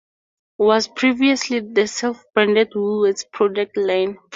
Was previously the self-branded "Woolworths" product line.